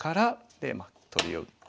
でまあ取りを打って。